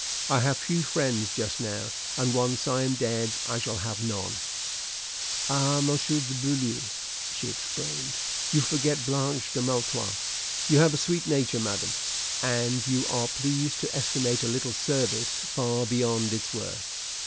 I have few friends just now, and once I am dead I shall have none." "Ah, Monsieur de Beaulieu!" she exclaimed, "you forget Blanche de Maletroit." "You have a sweet nature, madam, and you are pleased to estimate a little service far beyond its worth."